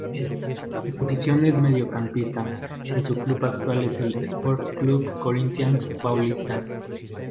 Su posición es mediocampista y su club actual es el Sport Club Corinthians Paulista.